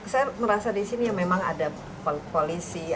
saya merasa di sini memang ada polisi